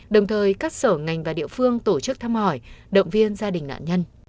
đồng thời các sở ngành và địa phương tổ chức thăm hỏi động viên gia đình nạn nhân